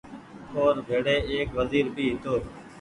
اور ڀيري ايڪ وزير بهي هيتو